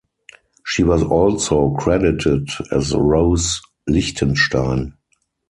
She was also credited as Rose Lichtenstein.